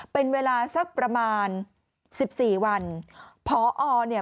เป็นเวลาสักประมาณสิบสี่วันพอเนี่ย